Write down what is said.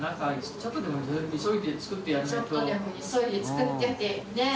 ちょっとでも急いで作ってってねぇ。